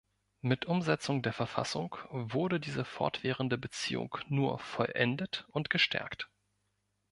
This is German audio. Mit Umsetzung der Verfassung wurde diese fortwährende Beziehung nur vollendet und gestärkt.